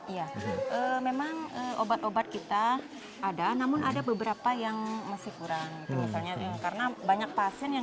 iya memang obat obat kita ada namun ada beberapa yang masih kurang